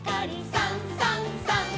「さんさんさん」